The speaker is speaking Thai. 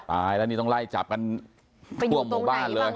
ตายแล้วนี่ต้องไล่จับกันทั่วหมู่บ้านเลย